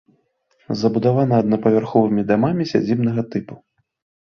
Забудавана аднапавярховымі дамамі сядзібнага тыпу.